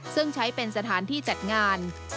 ซึ่งใช้เป็นสถานที่จัดงาน